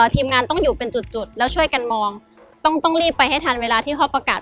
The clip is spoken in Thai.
ทีมงานต้องอยู่เป็นจุดแล้วช่วยกันมองต้องต้องรีบไปให้ทันเวลาที่เขาประกาศ